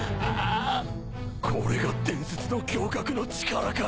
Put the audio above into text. これが伝説の侠客の力か。